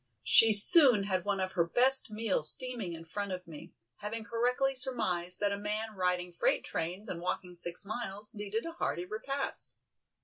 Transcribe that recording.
She soon had one of her best meals steaming in front of me, having correctly surmised that a man riding freight trains and walking six miles, needed a hearty repast.